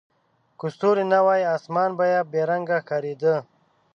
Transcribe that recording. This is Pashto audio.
که ستوري نه وای، اسمان به بې رنګه ښکاره کېده.